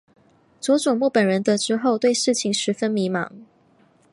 佐佐木本人得知后对事情十分迷惘。